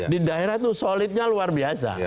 di daerah itu solidnya luar biasa